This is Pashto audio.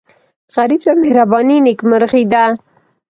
غریب ته مهرباني نیکمرغي ده